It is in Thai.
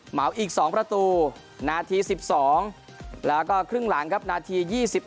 เหมาอีก๒ประตูนาที๑๒แล้วก็ครึ่งหลังครับนาที๒๑